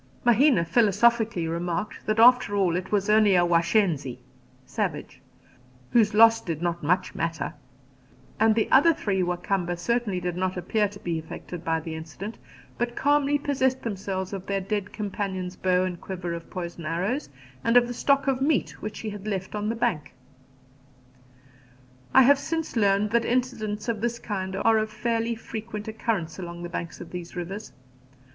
Mahina philosophically remarked that after all it was only a washenzi (savage), whose loss did not much matter; and the other three Wa Kamba certainly did not appear to be affected by the incident, but calmly possessed themselves of their dead companion's bow and quiver of poisoned arrows, and of the stock of meat which he had left on the bank. I have since learned that accidents of this kind are of fairly frequent occurrence along the banks of these rivers.